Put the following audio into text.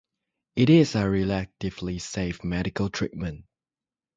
It is a relatively safe medical treatment.